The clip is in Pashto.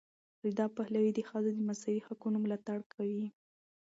رضا پهلوي د ښځو د مساوي حقونو ملاتړ کوي.